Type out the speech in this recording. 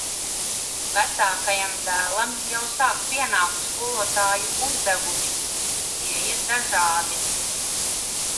Vecākajam dēlam jau sāk pienākt skolotāju uzdevumi. Tie ir dažādi.